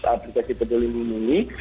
aplikasi peduli lindungi